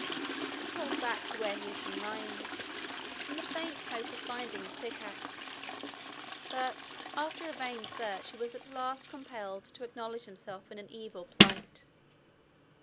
He crawled back to where he had been lying, in the faint hope of finding his pickaxe, But after a vain search he was at last compelled to acknowledge himself in an evil plight.